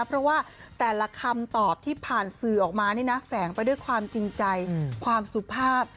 เพราะว่าแต่ละคำตอบที่ผ่านสื่อออกมานี่นะแฝงไปด้วยความจริงใจความสุภาพ